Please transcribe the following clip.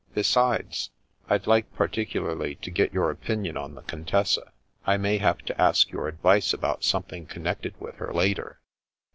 Besides, I'd like particu larly to get your opinion on the Contessa. I may have to ask your advice about something connected with her, later."